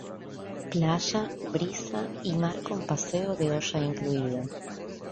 Playa, brisa y mar con paseo de olla incluido.